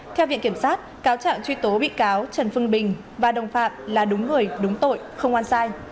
theo viện kiểm sát cáo trạng truy tố bị cáo trần phương bình và đồng phạm là đúng người đúng tội không oan sai